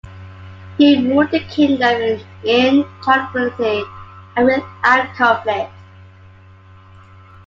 He ruled the kingdom in tranquility and without conflict.